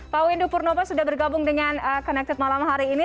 pak windu purnomo sudah bergabung dengan connected malam hari ini